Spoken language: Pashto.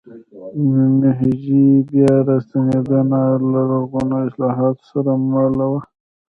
میجي بیا راستنېدنه له رغوونکو اصلاحاتو سره مله وه.